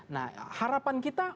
nah harapan kita